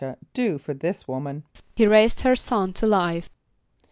a] do for this woman? =He raised her son to life.